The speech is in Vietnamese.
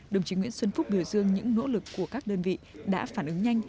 đồng chí nguyễn xuân phúc biểu dương những nỗ lực của các đơn vị đã phản ứng nhanh